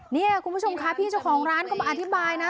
นี่คุณผู้ชมค่ะพี่เจ้าของร้านก็มาอธิบายนะ